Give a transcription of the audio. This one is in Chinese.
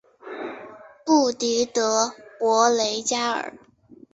布迪德博雷加尔。